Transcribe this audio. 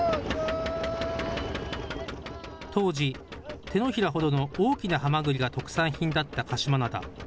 当時、手のひらほどの大きなハマグリが特産品だった鹿島灘。